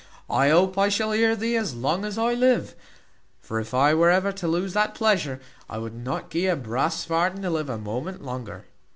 I hope I shall hear thee as long as I live; for if I was ever to lose that pleasure, I would not gee a brass varden to live a moment longer.